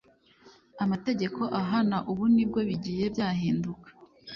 amategeko ahana, ubu nibwo bigiye byahinduka.